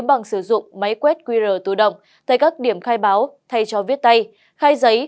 bằng sử dụng máy quét qr tự động tại các điểm khai báo thay cho viết tay khai giấy